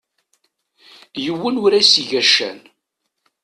Yiwen ur as-iga ccan.